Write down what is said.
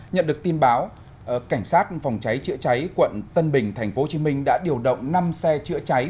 nhận được tin báo cảnh sát phòng cháy chữa cháy quận tân bình tp hcm đã điều động năm xe chữa cháy